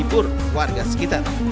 hibur warga sekitar